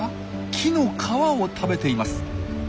木の皮を食べています。